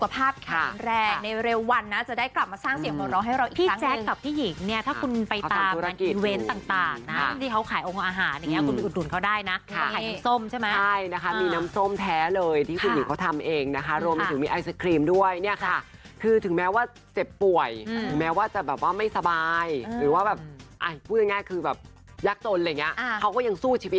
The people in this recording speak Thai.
เพราะยังทำมาหากินนะคุณผู้ชมนะ